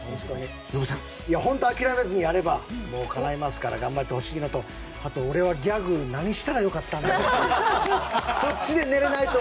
本当、諦めずにやればかないますから頑張ってほしいのとあと、俺はギャグ何したらよかったんやろうって。